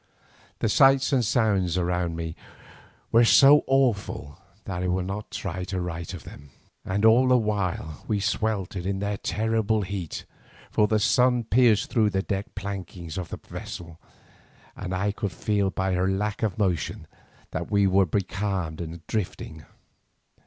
The sights and sounds around me were so awful that I will not try to write of them. And all the while we sweltered in the terrible heat, for the sun pierced through the deck planking of the vessel, and I could feel by her lack of motion that we were becalmed and drifting.